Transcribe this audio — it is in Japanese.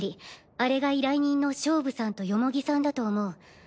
あれが依頼人のショウブさんとヨモギさんだと思う。